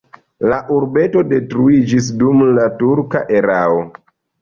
La urbeto detruiĝis dum la turka erao.